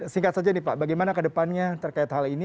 singkat saja nih pak bagaimana kedepannya terkait hal ini